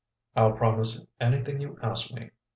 "I'll promise anything you ask me.